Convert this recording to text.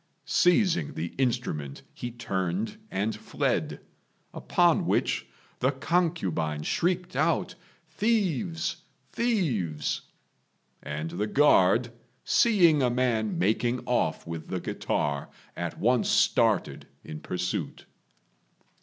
Seizing the instrument he turned and fled; upon which the concubine shrieked out, "Thieves! thieves!" And the guard, seeing a man making off with the guitar, at once started in pursuit.